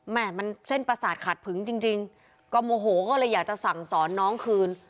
แม่มันเส้นประสาทขาดผึ้งจริงก็โมโหก็เลยอยากจะสั่งสอนน้องคืน